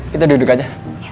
kita duduk aja